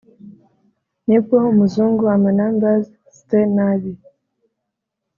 ni bwo umuzungu amanumberstse nabi